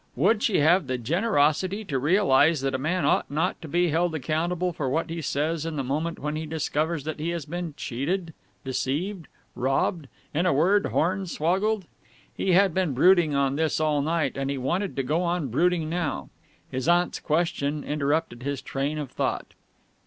Would she have the generosity to realize that a man ought not to be held accountable for what he says in the moment when he discovers that he has been cheated, deceived, robbed in a word, hornswoggled? He had been brooding on this all night, and he wanted to go on brooding now. His aunt's question interrupted his train of thought.